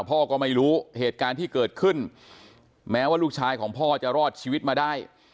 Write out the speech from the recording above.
พ่อก็ไม่รู้เหตุการณ์ที่เกิดขึ้นแม้ว่าลูกชายของพ่อจะรอดชีวิตมาได้